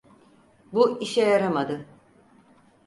Bu işe yaramadı.